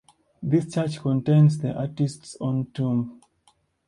This church contains the artist's own tomb.